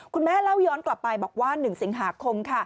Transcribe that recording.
คุณแม่เล่าย้อนกลับไปบอกว่า๑สิงหาคม